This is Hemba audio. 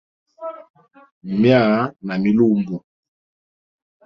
Myaa na milumbo.